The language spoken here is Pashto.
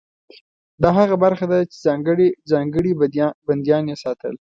دا هغه برخه وه چې ځانګړي بندیان یې ساتل.